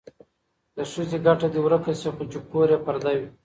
د ښځې ګټه دې ورکه شي خو چې کور یې پرده وي.